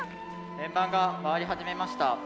円盤が回り始めました。